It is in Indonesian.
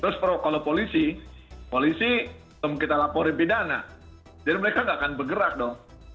terus pro kalau polisi polisi belum kita laporin pidana jadi mereka nggak akan bergerak dong